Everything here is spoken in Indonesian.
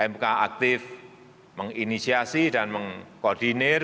mk aktif menginisiasi dan mengkoordinir